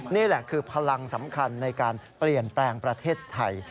นี่แหละคือพลังสำคัญในการเปลี่ยนแปลงประเทศไทย